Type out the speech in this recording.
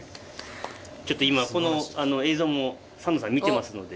ちょっと今この映像もサンドさん見てますので。